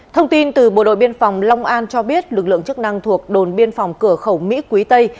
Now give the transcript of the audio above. thông tin từ bộ đội biên phòng long an cho biết lực lượng chức năng thuộc đồn biên phòng cửa khẩu mỹ quý tây